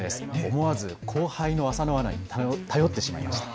思わず後輩の浅野アナに頼ってしまいました。